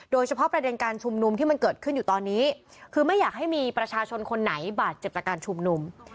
โดยเฉพาะประเด็นการชุมนุมที่มันเกิดขึ้นอยู่ตอนนี้คือไม่อยากให้มีประชาชนคนไหนบาดเจ็บจากการชุมนุม